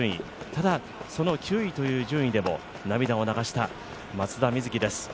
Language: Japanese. ただ９位という順位でも涙を流した松田瑞生です。